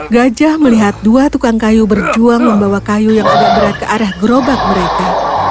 gajah melihat dua tukang kayu berjuang membawa kayu yang agak berat ke arah gerobak mereka